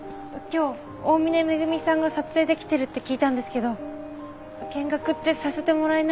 今日大峰恵さんが撮影で来てるって聞いたんですけど見学ってさせてもらえないですか？